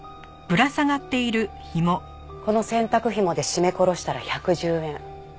この洗濯ひもで絞め殺したら１１０円。